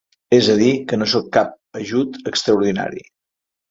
És a dir, que no són cap ajut extraordinari.